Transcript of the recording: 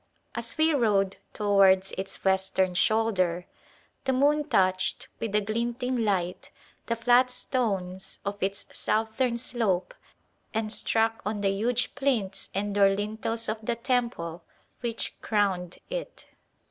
As we rode towards its western shoulder, the moon touched with a glinting light the flat stones of its southern slope and struck on the huge plinths and door lintels of the temple which crowned it.